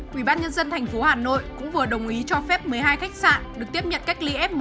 quỹ ban nhân dân thành phố hà nội cũng vừa đồng ý cho phép một mươi hai khách sạn được tiếp nhận cách ly f một